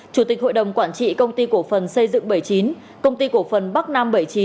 chủ tịch hội đồng quản trị công ty cổ phần xây dựng bảy mươi chín công ty cổ phần bắc nam bảy mươi chín